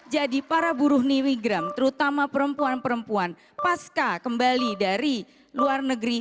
jadi para buruh migran terutama perempuan perempuan pasca kembali dari luar negeri